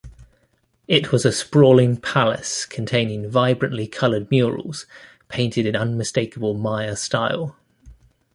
It was a sprawling palace containing vibrantly colored murals painted in unmistakable Maya style.